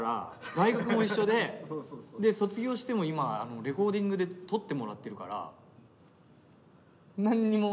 大学も一緒で卒業しても今レコーディングでとってもらってるから何にもありがたくない。